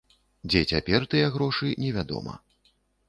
Дзе цяпер тыя грошы, невядома.